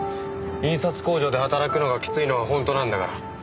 印刷工場で働くのがきついのは本当なんだから。